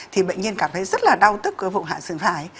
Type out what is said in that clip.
thì bệnh nhân cảm thấy rất là đau tức của vụ hạ sử dụng phải